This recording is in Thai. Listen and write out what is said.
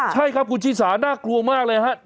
ใช่ครับคุณชิสาน่ากลัวมากเลยฮะ